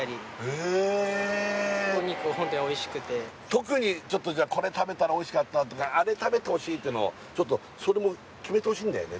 特にちょっとじゃあこれ食べたらおいしかったとかあれ食べてほしいってのちょっとそれも決めてほしいんだよね